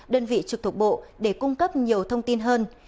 đơn vị trực thuộc bộ để cung cấp nhiều thông tin hơn